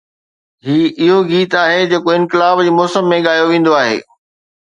هي اهو گيت آهي جيڪو انقلاب جي موسم ۾ ڳايو ويندو آهي.